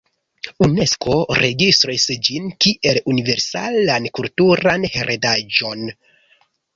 Unesko registris ĝin kiel universalan kulturan heredaĵon.